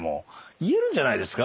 言えるんじゃないですか。